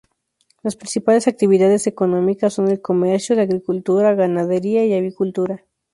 Las principales actividades económicas son el comercio, la agricultura, ganadería y la avicultura.